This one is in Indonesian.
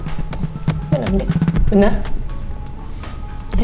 benar nek benar